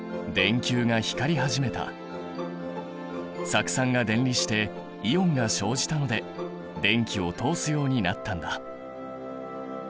酢酸が電離してイオンが生じたので電気を通すようになったんだ。